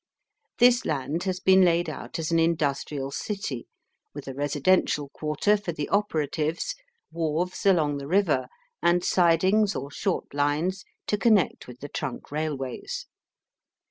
This land has been laid out as an industrial city, with a residential quarter for the operatives, wharves along the river, and sidings or short lines to connect with the trunk railways.